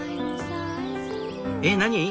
えっ何？